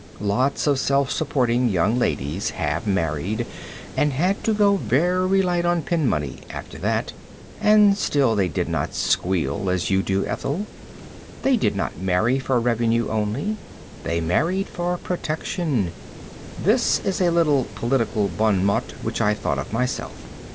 Lots of self supporting young ladies have married and had to go very light on pin money after that, and still they did not squeal, as you, dear Ethel. They did not marry for revenue only. They married for protection. (This is a little political bon mot which I thought of myself.